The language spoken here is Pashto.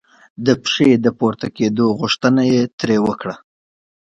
د پښې د پورته کېدو غوښتنه یې ترې وکړه.